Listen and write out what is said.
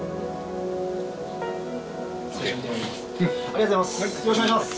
ありがとうございます。